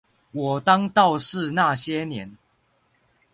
我當道士那些年